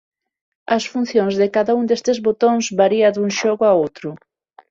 As funcións de cada un destes botóns varía dun xogo a outro.